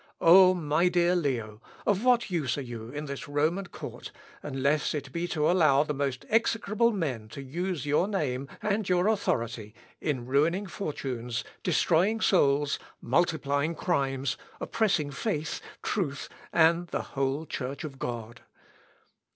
O, my dear Leo, of what use are you in this Roman court, unless it be to allow the most execrable men to use your name and your authority in ruining fortunes, destroying souls, multiplying crimes, oppressing faith, truth, and the whole Church of God?